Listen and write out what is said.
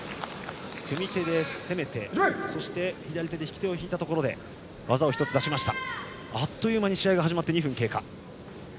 組み手で攻めて、そして左手で引き手を引いたところで技を１つ出しました。